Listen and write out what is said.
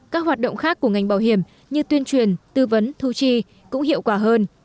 các hoạt động khác của ngành bảo hiểm như tuyên truyền tư vấn thu chi cũng hiệu quả hơn